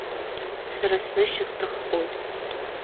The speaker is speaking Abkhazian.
Сара снышьа сҭаххоит.